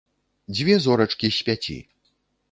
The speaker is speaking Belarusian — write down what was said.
Дзве зорачкі з пяці.